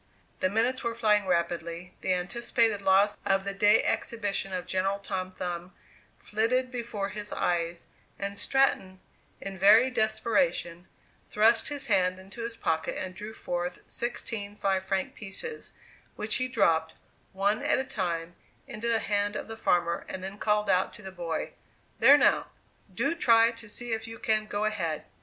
The minutes were flying rapidly, the anticipated loss of the day exhibition of General Tom Thumb flitted before his eyes, and Stratton, in very desperation, thrust his hand into his pocket and drew forth sixteen five franc pieces, which he dropped, one at a time, into the hand of the farmer, and then called out to the boy, "There now, do try to see if you can go ahead."